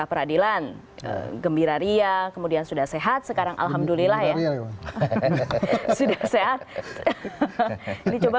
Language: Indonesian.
peradilan gembira ria kemudian sudah sehat sekarang alhamdulillah ya sudah sehat ini coba